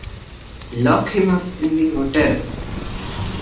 Lock him up in the hotel!